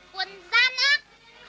quần gian ác